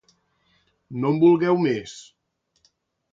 No en vulgueu més.